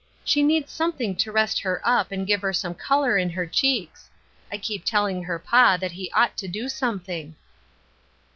She needs something to rest her up and give her some color in her cheeks. I keep telling her pa that he ought to do something."